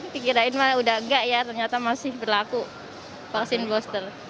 dikirain malah udah enggak ya ternyata masih berlaku vaksin booster